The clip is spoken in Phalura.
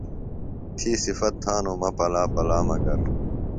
تھی صِفت تھانوۡ مہ پلا پلا مگر۔